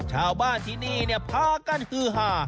ชาวบ้านที่นี่พากันฮือหา